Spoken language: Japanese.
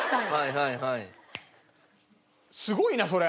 すごいな。